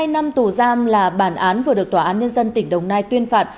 một mươi năm tù giam là bản án vừa được tòa án nhân dân tỉnh đồng nai tuyên phạt